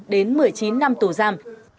đến một mươi chín năm tù giam